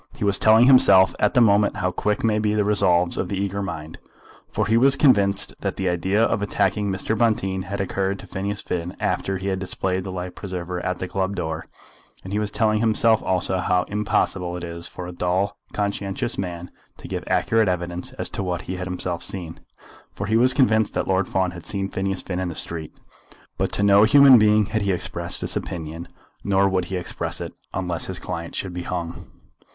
He was telling himself at the moment how quick may be the resolves of the eager mind, for he was convinced that the idea of attacking Mr. Bonteen had occurred to Phineas Finn after he had displayed the life preserver at the club door; and he was telling himself also how impossible it is for a dull conscientious man to give accurate evidence as to what he had himself seen, for he was convinced that Lord Fawn had seen Phineas Finn in the street. But to no human being had he expressed this opinion; nor would he express it, unless his client should be hung.